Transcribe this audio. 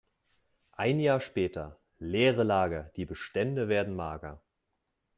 Ein Jahr später: Leere Lager, die Bestände werden mager.